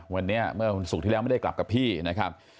วันสุดที่แล้วไม่ได้กลับกับพี่นะครับ